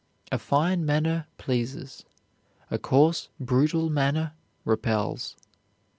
A fine manner pleases; a coarse, brutal manner repels.